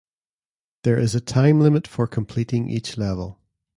There is a time limit for completing each level.